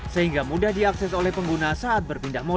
sehingga mudah diakses oleh pengguna saat berpindah ke jalan